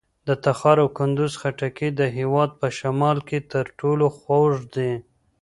د تخار او کندوز خټکي د هېواد په شمال کې تر ټولو خوږ دي.